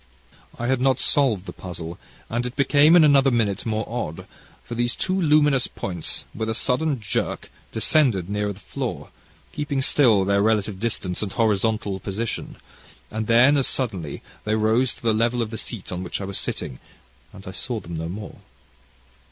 I had not solved the puzzle, and it became in another minute more odd, for these two luminous points, with a sudden jerk, descended nearer and nearer the floor, keeping still their relative distance and horizontal position, and then, as suddenly, they rose to the level of the seat on which I was sitting and I saw them no more.